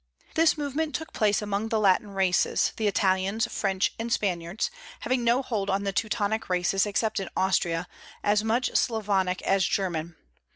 This movement took place among the Latin races, the Italians, French, and Spaniards, having no hold on the Teutonic races except in Austria, as much Slavonic as German.